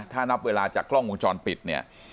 ถ้านับเวลาจากกล้องวงจรปิดเนี่ย